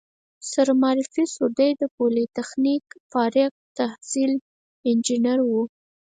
سره معرفي شوو، دی د پولتخنیک فارغ التحصیل انجینر و.